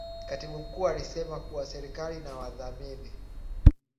Katibu Mkuu alisema kuwa serikali inawadhamini